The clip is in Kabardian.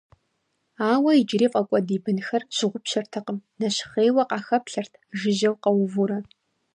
Ауэ иджыри фӀэкӀуэд и бынхэр щыгъупщэртэкъым, нэщхъейуэ къахэплъэрт, жыжьэу къэувурэ.